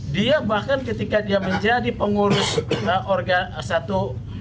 dia bahkan ketika dia menjadi pengurus organ satu